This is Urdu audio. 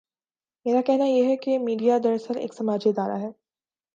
میرا کہنا ہے کہ میڈیا دراصل ایک سماجی ادارہ ہے۔